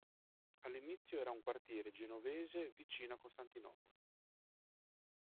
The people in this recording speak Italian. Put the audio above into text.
All'inizio era un quartiere genovese vicino a Costantinopoli.